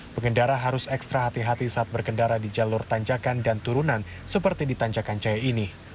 pengendara harus ekstra hati hati saat berkendara di jalur tanjakan dan turunan seperti di tanjakan jaya ini